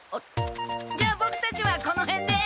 じゃボクたちはこのへんで。